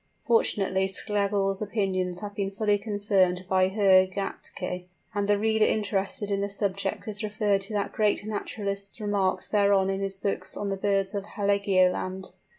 Fortunately Schlegel's opinions have been fully confirmed by Herr Gätke; and the reader interested in the subject is referred to that great naturalist's remarks thereon in his book on the birds of Heligoland.